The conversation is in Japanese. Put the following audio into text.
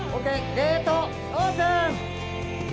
ゲートオープン！